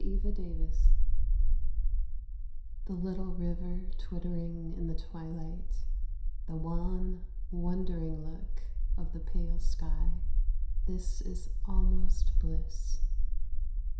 BEI HENNEF The little river twittering in the twilight, The wan, wondering look of the pale sky, This is almost bliss.